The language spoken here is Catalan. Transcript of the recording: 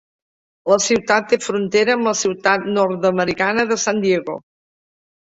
La ciutat té frontera amb la ciutat nord-americana de San Diego.